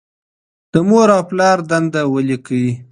د مور او پلار دندې ولیکئ.